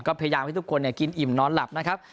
ก็พยายามให้ทุกคนกินอิ่มนอนหลับนะครับ